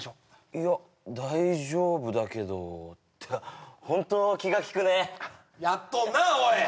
いや大丈夫だけどホント気が利くねやっとんなおい